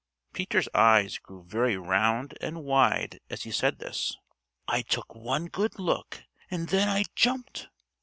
Peter's eyes grew very round and wide as he said this. "I took one good look, and then I jumped.